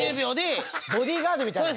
ボディーガードみたいな。